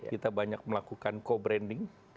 kita banyak melakukan co branding